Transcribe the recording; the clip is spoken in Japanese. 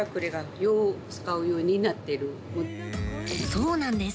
そうなんです。